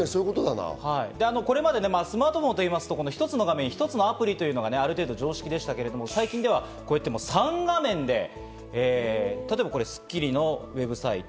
これまでスマートフォンといいますと、１つの画面に１つのアプリというのがある程度常識でしたが、最近ではこうやって３画面で例えばこれ『スッキリ』のウェブサイト。